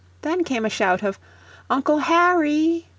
Then came a shout of "Uncle Harry!"